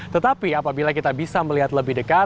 tetapi apabila kita bisa melihat lebih dekat